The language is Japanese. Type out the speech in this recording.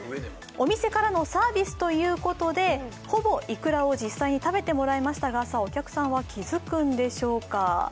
お店からのサービスということでほぼいくらを実際に食べてもらいましたがお客さんは気づくんでしょうか。